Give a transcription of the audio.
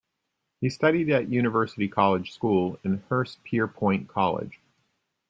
He studied at University College School and Hurstpierpoint College.